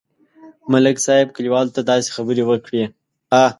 ملک صاحب کلیوالو ته داسې خبرې وکړې.